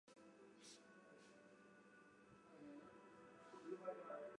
该组织由从中国出境的维吾尔族人以及旅居中国境外的维吾尔人共同成立。